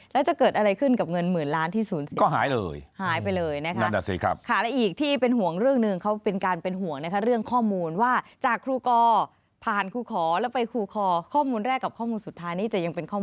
แล้วจะเกิดอะไรขึ้นกับเงินหมื่นล้านที่สูญเสีย